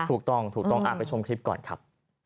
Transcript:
ถูกต้องถูกต้องไปชมคลิปก่อนครับ